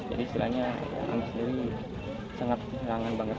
jadi istilahnya anggi sendiri sangat terangkan banget